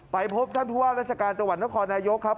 ไปพบท่านผู้ว่าราชการจังหวัดนครนายกครับ